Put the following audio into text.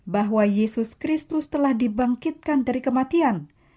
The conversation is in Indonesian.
bahwa yesus kristus telah dibangkitkan dari kematian